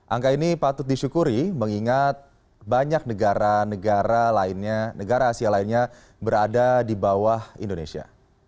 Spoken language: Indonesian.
angka ini patut disyukuri mengingat banyak negara negara lainnya negara asia lainnya berada di bawah indonesia